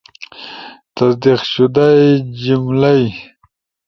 تصدیق شدہ جملئی